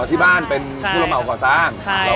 อ๋อที่บ้านเป็นผู้รับเหมาขอสร้างใช่ครับ